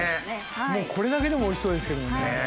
もうこれだけでもおいしそうですけどもね。